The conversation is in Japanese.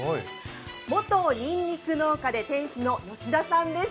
元にんにく農家で店主の吉田さんです。